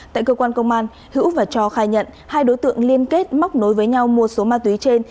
tại cơ quan công an hữu và cho khai nhận hai đối tượng liên kết móc nối với nhau mua số ma túy trên